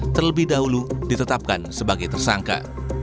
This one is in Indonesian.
terlebih dahulu ditetapkan sebagai tersangka